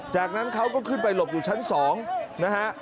จากนั้นเขาก็ขึ้นไปหลบอยู่ชั้น๒นะฮะ